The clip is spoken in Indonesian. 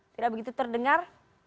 tidak begitu terdengar